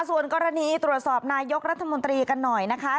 ส่วนกรณีตรวจสอบนายกรัฐมนตรีกันหน่อยนะคะ